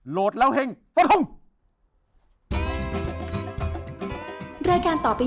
โหลดแล้วเฮ่งสวัสดีครับ